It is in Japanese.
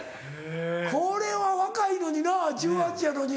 これは若いのにな１８歳やのに。